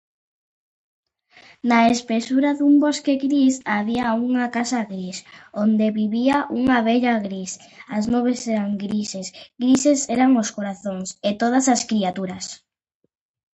Preferentemente en zonas tropicales, aunque algunas especies se encuentran en aguas más frías.